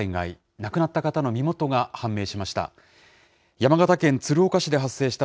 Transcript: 亡くなった方の身元が判明しました。